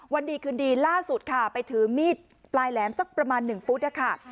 วันดีคืนดีล่าสุดค่ะไปถือมีดปลายแหลมสักประมาณ๑ฟุตนะคะ